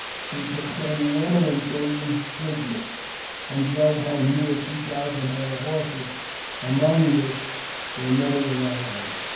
We took thirty women and children prisoners, and drove home near two thousand head of horses, among which were many of our own.